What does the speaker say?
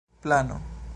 plano